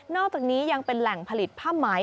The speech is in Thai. อกจากนี้ยังเป็นแหล่งผลิตผ้าไหม